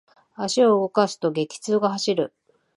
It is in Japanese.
足を動かすと、激痛が走る。